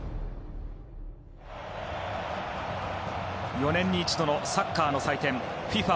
４年に一度のサッカーの祭典ＦＩＦＡ